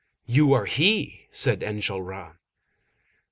"You are he!" said Enjolras.